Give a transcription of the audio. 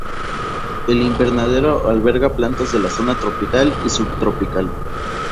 El invernadero alberga plantas de la zona tropical y subtropical.